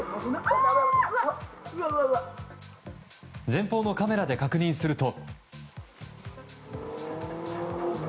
前方のカメラで確認すると。